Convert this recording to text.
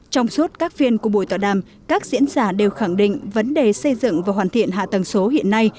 trong suốt các phiên của buổi tọa đàm các diễn giả đều khẳng định vấn đề xây dựng và hoàn thiện hạ tầng số hiện nay